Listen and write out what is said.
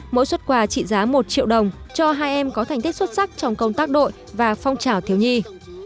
mỗi xuất quà trị giá một triệu đồng cho hai em có thành tích xuất sắc trong công tác đội và phong trào thiếu nhi